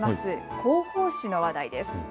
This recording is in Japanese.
広報紙の話題です。